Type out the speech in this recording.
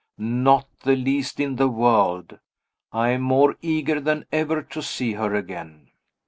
Not the least in the world I am more eager than ever to see her again.